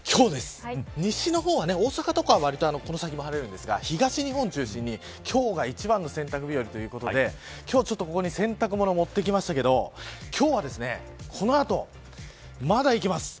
西の方は大阪とかは晴れるんですが、東日本を中心に今日が一番の洗濯日和ということでここに洗濯物を持ってきましたが、今日はこの後まだいけます。